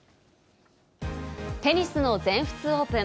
テニスの全仏オープン。